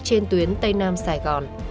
trên tuyến tây nam sài gòn